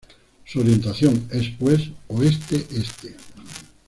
Su orientación es, pues, Oeste-Este.